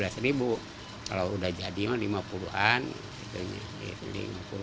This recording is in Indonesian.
sering yang nawar begitu